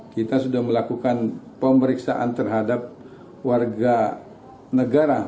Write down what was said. kita sudah melakukan pemeriksaan terhadap warga negara